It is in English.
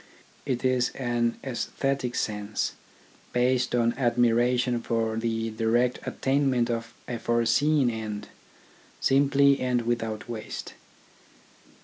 It is an aesthetic sense, based on admiration for the direct attainment of a foreseen end, simply and without waste.